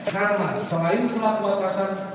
karena selain selaku atasan